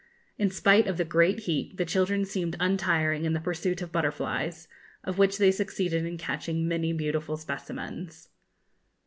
In spite of the great heat, the children seemed untiring in the pursuit of butterflies, of which they succeeded in catching many beautiful specimens.